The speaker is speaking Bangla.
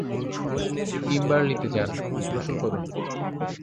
কিম্বার্লিতে যান, গোসল করুন।